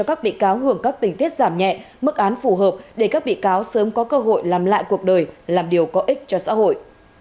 các bị cáo hưởng các tình tiết giảm nhẹ mức án phù hợp để các bị cáo sớm có cơ hội làm lại cuộc đời làm điều có ích cho xã hội